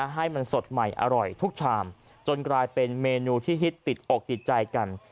ให้มันสดใหม่อร่อยทุกชามจนกลายเป็นเมนูที่ฮิตติดอกติดใจกัน